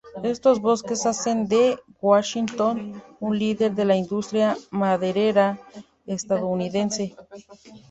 Estos bosques hacen de Washington un líder de la industria maderera estadounidense.